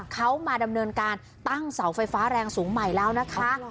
เขามาดำเนินการตั้งเสาไฟฟ้าแรงสูงใหม่แล้วนะคะ